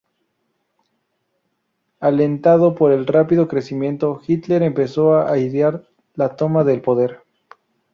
Alentado por el rápido crecimiento, Hitler empezó a idear la toma del poder.